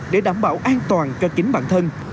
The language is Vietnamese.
để đảm bảo an toàn các chính bản thân